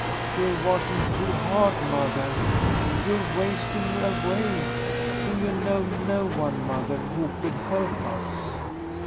"You're washing too hard, mother. You're wasting away. Do you know no one, mother, who could help us?"